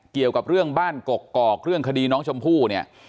เกี่ยวกับเรื่องบ้านกกอกเรื่องคดีน้องชมพู่เนี่ย